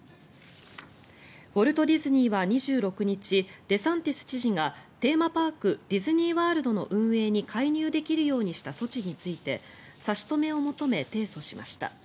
ウォルト・ディズニーは２６日デサンティス知事がテーマパークディズニー・ワールドの運営に介入できるようにした措置について差し止めを求め、提訴しました。